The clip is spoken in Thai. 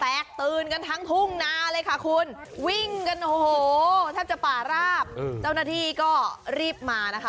ตื่นกันทั้งทุ่งนาเลยค่ะคุณวิ่งกันโอ้โหแทบจะป่าราบเจ้าหน้าที่ก็รีบมานะคะ